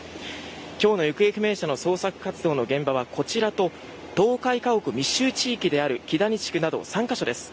今日の行方不明者の捜索活動の現場はこちらと倒壊家屋密集地域である岸谷地区など３か所です。